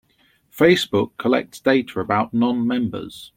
Facebook collects data about non-members.